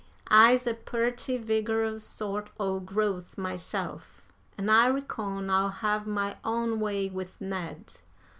I's a purty vigorous sort o' growth myself, an' I reckon I'll have my own way with Ned.